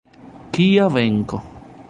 Kia venko!